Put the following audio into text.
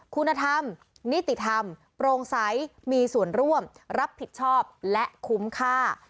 คุณธรรมนิติธรรมโปร่งใสมีส่วนร่วมรับผิดชอบและคุ้มค่า